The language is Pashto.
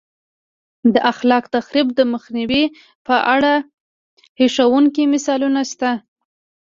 د خلاق تخریب د مخنیوي په اړه هیښوونکي مثالونه شته